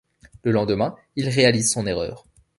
Le lendemain, il réalise son erreur.